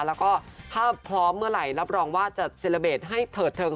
แล้วก็ถ้าพร้อมเมื่อไหร่รับรองว่าจะเซลเบสให้เถิดเทิง